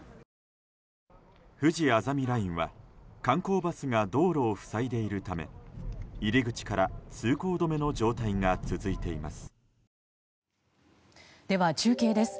ふじあざみラインは観光バスが道路を塞いでいるため入り口から通行止めの状態が続いています。